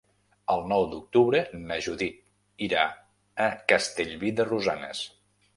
El nou d'octubre na Judit irà a Castellví de Rosanes.